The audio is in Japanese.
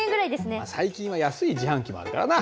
最近は安い自販機もあるからな。